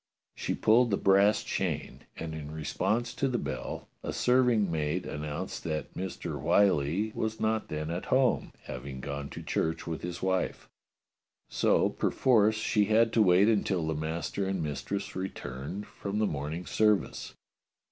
She pulled the brass chain, and in response to the bell a serving maid an nounced that Mr. Whyllie was not then at home, hav ing gone to church with his wife. So perforce she had to wait until the master and mistress returned from the morning service.